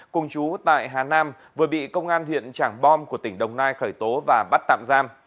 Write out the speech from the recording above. cùng chú tại hà nam vừa bị công an huyện trảng bom của tỉnh đồng nai khởi tố và bắt tạm giam